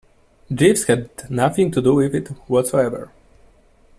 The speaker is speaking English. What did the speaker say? Jeeves had nothing to do with it whatsoever.